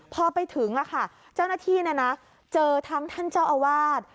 พอไปถึงเจ้าหน้าที่เจอทั้งท่านเจ้าอาวาส